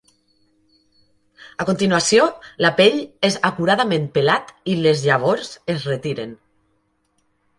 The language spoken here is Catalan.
A continuació, la pell és acuradament pelat i les llavors es retiren.